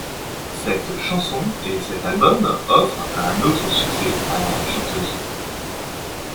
Cette chanson et cet album offrent un autre succès à la chanteuse.